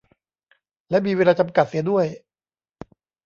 และมีเวลาจำกัดเสียด้วย